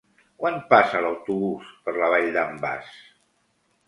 Quan passa l'autobús per la Vall d'en Bas?